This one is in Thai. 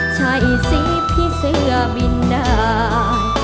ใช่สิพี่เสื้อบินได้